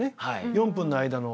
４分の間の。